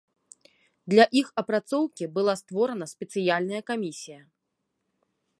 Для іх апрацоўкі была створана спецыяльная камісія.